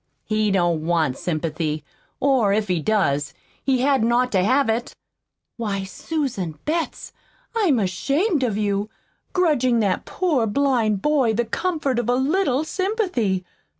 "He don't want sympathy or, if he does, he hadn't ought to have it." "Why, Susan Betts, I'm ashamed of you grudgin' that poor blind boy the comfort of a little sympathy!